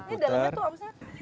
ini dalemnya tuh apa mas